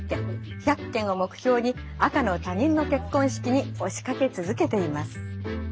１００件を目標に赤の他人の結婚式におしかけ続けています。